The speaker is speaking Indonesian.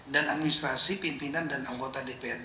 dan administrasi pimpinan dan anggota dprd